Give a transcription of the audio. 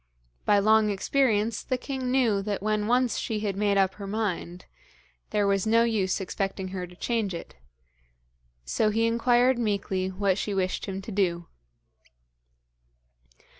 By long experience the king knew that when once she had made up her mind, there was no use expecting her to change it, so he inquired meekly what she wished him to do.